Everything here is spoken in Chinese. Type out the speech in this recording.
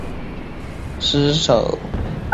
特诺奇蒂特兰失守的原因有多种。